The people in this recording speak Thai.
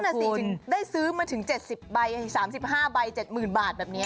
นั่นสิถึงได้ซื้อมาถึง๗๐ใบ๓๕ใบ๗๐๐บาทแบบนี้